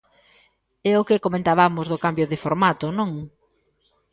É o que comentabamos do cambio de formato, non?